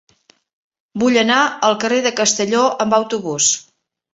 Vull anar al carrer de Castelló amb autobús.